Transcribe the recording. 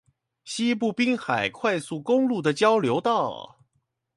西部濱海快速公路的交流道